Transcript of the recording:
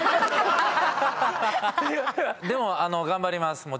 でも頑張ります